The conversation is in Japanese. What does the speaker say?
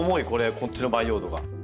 こっちの培養土が。